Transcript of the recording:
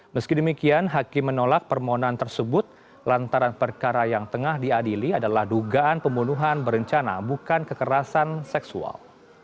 meski demikian hakim menolak permohonan tersebut lantaran perkara yang tengah diadili adalah dugaan pembunuhan berencana bukan kekerasan seksual